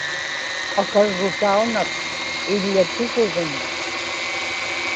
akarrutaunak iḷḷatiguviñ